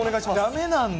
だめなんだ。